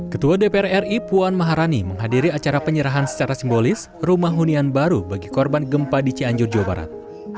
ketua dpr ri puan maharani menghadiri acara penyerahan secara simbolis rumah hunian baru bagi korban gempa di cianjur jawa barat